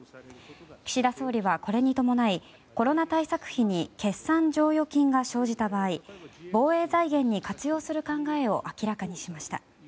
岸田総理はこれに伴いコロナ対策費に決算剰余金が生じた場合防衛財源に活用する考えを明らかにしました。